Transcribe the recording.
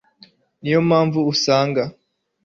ni yo mpamvu usanga